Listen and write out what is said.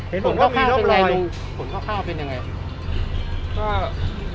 เห็นผลเข้าข้าวเป็นยังไงรู้ผลเข้าข้าวเป็นยังไง